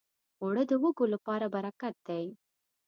اوړه د وږو لپاره برکت دی